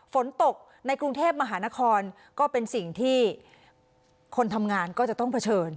ฝนตกในกรุงเทพมหานครก็เป็นสิ่งที่คนทำงานก็จะต้องเผชิญ